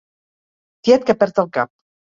Tiet que perd el cap.